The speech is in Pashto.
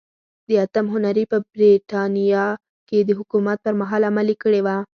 د اتم هنري په برېټانیا کې د حکومت پرمهال عملي کړې وه.